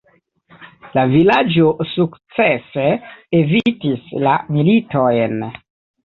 La vilaĝo sukcese evitis la militojn.